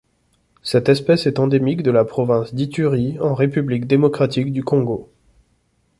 Cette espèce est endémique de la province d'Ituri en République démocratique du Congo.